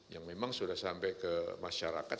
yang memang sudah sampai ke masyarakat